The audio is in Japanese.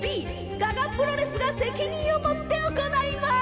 ガガ・プロレスが責任をもっておこないます！